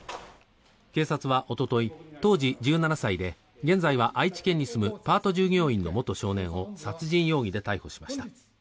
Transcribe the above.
警察はおととい当時、１７歳で現在はパート従業員の元少年を殺人容疑で逮捕しました。